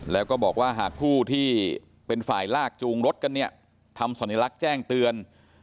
แล้วก็บอกว่าหากผู้ที่เป็นฝ่ายลากจูงรถกันเนี่ยทำสัญลักษณ์แจ้งเตือน